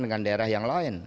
di daerah yang lain